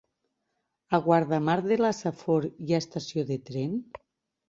A Guardamar de la Safor hi ha estació de tren?